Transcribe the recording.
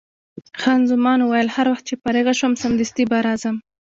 خان زمان وویل: هر وخت چې فارغه شوم، سمدستي به راځم.